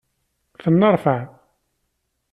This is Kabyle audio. Tenneṛfaɛ.